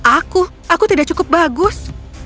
aku aku tidak cukup bagus